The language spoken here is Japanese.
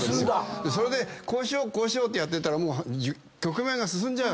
それでこうしようってやってたらもう局面が進んじゃうからね。